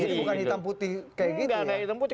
jadi bukan hitam putih kayak gitu ya